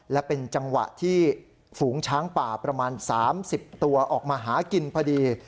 และเป็นจังหวะที่ฝูงช้างป่าประมาณ๓๐ตัวออกมาหากินพอดี